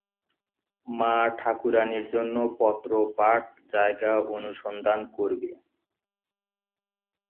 মা-ঠাকুরাণীর জন্য পত্রপাঠ জায়গা অনুসন্ধান করিবে।